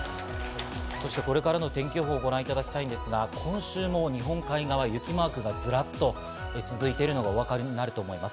これからの天気予報をご覧いただきたいですが、今週も日本海側、雪マークがズラっと続いているのがお分かりになると思います。